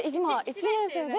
１年生で。